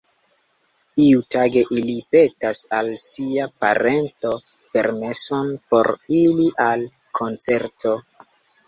Iutage, ili petas al sia parento permeson por iri al koncerto.